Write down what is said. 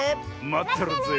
まってるぜ。